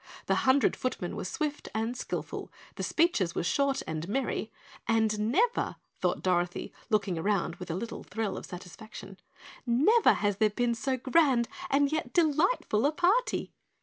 The hundred footmen were swift and skillful, the speeches were short and merry, "and never," thought Dorothy, looking around with a little thrill of satisfaction, "never has there been so grand and yet delightful a party!"